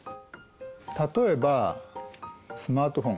例えばスマートフォン。